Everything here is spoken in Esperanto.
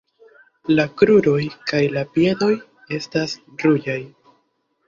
La kruroj kaj la piedoj estas ruĝaj.